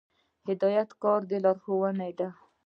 هدایت د کار لارښوونه ده